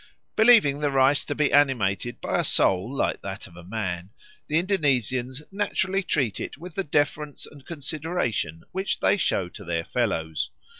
Believing the rice to be animated by a soul like that of a man, the Indonesians naturally treat it with the deference and the consideration which they show to their fellows.